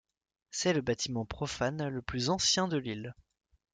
C'est le bâtiment profane le plus ancien de l'île.